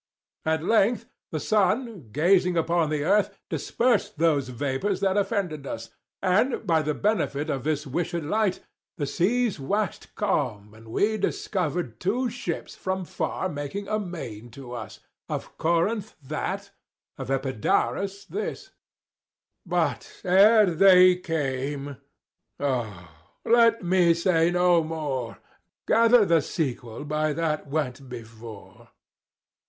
At length the sun, gazing upon the earth, Dispersed those vapours that offended us; 90 And, by the benefit of his wished light, The seas wax'd calm, and we discovered Two ships from far making amain to us, Of Corinth that, of Epidaurus this: But ere they came, O, let me say no more! 95 Gather the sequel by that went before. _Duke.